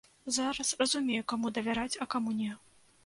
Зараз разумею, каму давяраць, а каму не.